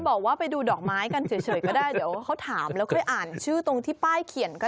บอกว่าไปดูดอกไม้กันเฉยก็ได้เดี๋ยวเขาถามแล้วค่อยอ่านชื่อตรงที่ป้ายเขียนก็